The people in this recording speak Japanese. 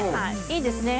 いいですね。